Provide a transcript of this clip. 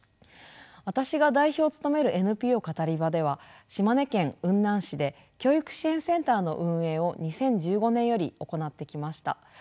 私が代表を務めるＮＰＯカタリバでは島根県雲南市で教育支援センターの運営を２０１５年より行ってきました。